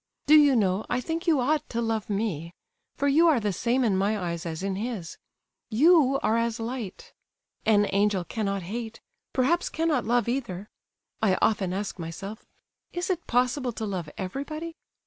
Do you know, I think you ought to love me—for you are the same in my eyes as in his—you are as light. An angel cannot hate, perhaps cannot love, either. I often ask myself—is it possible to love everybody?